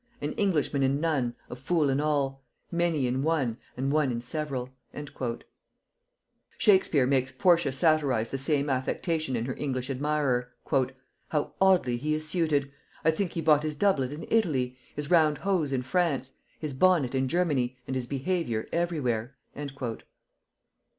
An Englishman in none, a fool in all, Many in one, and one in several." Shakespeare makes Portia satirize the same affectation in her English admirer; "How oddly he is suited! I think he bought his doublet in Italy, his round hose in France, his bonnet in Germany, and his behavior every where."